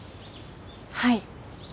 はい。